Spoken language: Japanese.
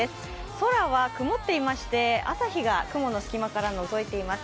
空は曇っていまして、朝日が雲の隙間からのぞいています。